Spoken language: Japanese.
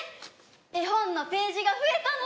絵本のページが増えたの！